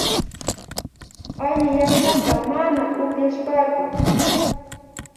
Alli yakuta mana upyashpaka